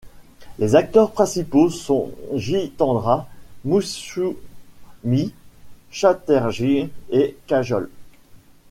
Les acteurs principaux sont Jeetendra, Moushumi Chatterjee et Kajol.